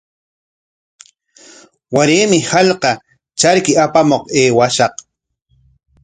Waraymi hallqapa charki apamuq aywashaq.